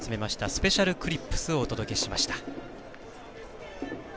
スペシャルクリップスをお届けしました。